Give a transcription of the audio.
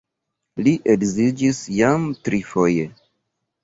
Li edziĝis jam trifoje.